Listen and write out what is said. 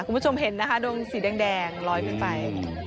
คุณผู้ชมเห็นนะคะดวงสีแดงลอยขึ้นไป